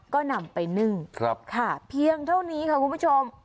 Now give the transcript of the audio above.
ก็นำไปนึ่งค่ะเพียงเท่านี้ค่ะคุณผู้ชม